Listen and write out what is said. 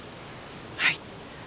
はい。